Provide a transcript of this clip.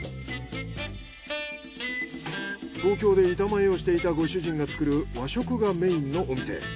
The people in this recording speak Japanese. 東京で板前をしていたご主人が作る和食がメインのお店。